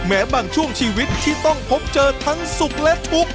แม้บางช่วงชีวิตที่ต้องพบเจอทั้งสุขและทุกข์